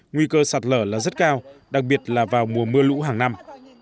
nguy cơ sạt lở là rất cao đặc biệt là vào mùa mưa lũ hàng năm